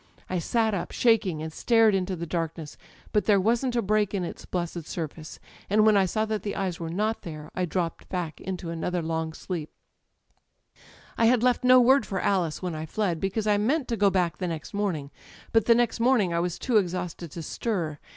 I sat up, shaking, and stared into the darkness; but there wasn't a break in its blessed surface, and when I saw that the eyes were not there I dropped back into another long sleep. Digitized by LjOOQ IC THE EYES "I had left no word for Alice when I fled, because I meant to go back the next morning. But the next morning I was too exhausted to stir.